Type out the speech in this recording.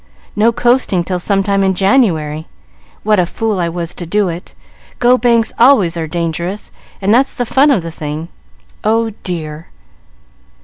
"No coasting till some time in January. What a fool I was to do it! Go bangs always are dangerous, and that's the fun of the thing. Oh dear!"